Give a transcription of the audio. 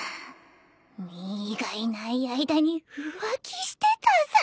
ミーがいない間に浮気してたさ。